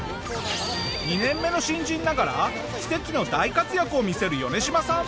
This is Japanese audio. ２年目の新人ながら奇跡の大活躍を見せるヨネシマさん。